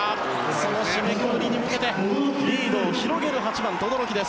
その締めくくりに向けてリードを広げる８番、轟です。